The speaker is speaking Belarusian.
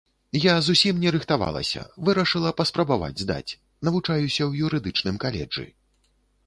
Я зусім не рыхтавалася, вырашыла паспрабаваць здаць, навучаюся ў юрыдычным каледжы.